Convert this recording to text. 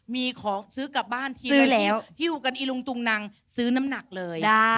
มีของซื้อกลับบ้านที่อยู่กันอีลุงตุงนังซื้อน้ำหนักเลย